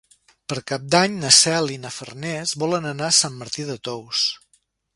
Per Cap d'Any na Cel i na Farners volen anar a Sant Martí de Tous.